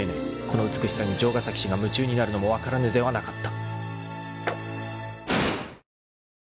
この美しさに城ヶ崎氏が夢中になるのも分からぬではなかった］